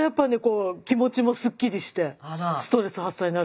気持ちもすっきりしてストレス発散になるわ。